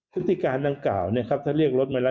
พฤติการดังกล่าวถ้าเรียกรถมาแล้ว